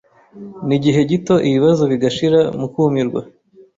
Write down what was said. n'igihe gito ibibazo bigashira mukumirwa